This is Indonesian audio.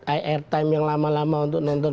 airtime yang lama lama untuk nonton